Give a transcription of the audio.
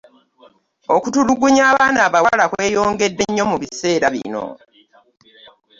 Okutulugunya abaana abawala kweyonhedde nnyo mu biseera bino.